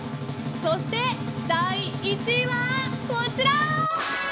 そして第１位はこちら。